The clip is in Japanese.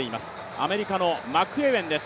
アメリカのマックエウェンです。